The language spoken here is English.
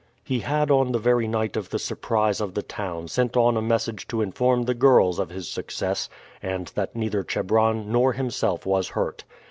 He had on the very night of the surprise of the town sent on a message to inform the girls of his success, and that neither Chebron nor himself was hurt.